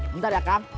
bentar ya kak